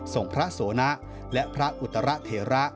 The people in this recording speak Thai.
ส่งพระโสนะและพระอุตระเทระ